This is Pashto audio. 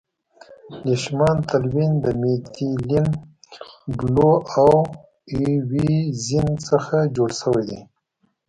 لیشمان تلوین د میتیلین بلو او اییوزین څخه جوړ شوی دی.